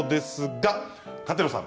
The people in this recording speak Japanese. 舘野さん